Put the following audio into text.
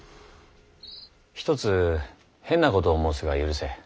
一つ変なことを申すが許せ。